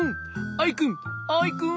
アイくんアイくん。